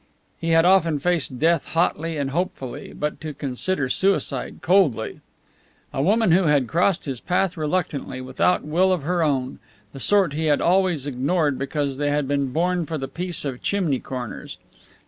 He had often faced death hotly and hopefully, but to consider suicide coldly! A woman who had crossed his path reluctantly, without will of her own; the sort he had always ignored because they had been born for the peace of chimney corners!